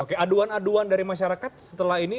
oke aduan aduan dari masyarakat setelah ini